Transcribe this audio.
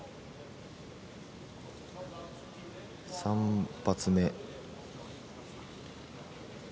３発目。